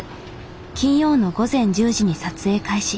金曜の午前１０時に撮影開始。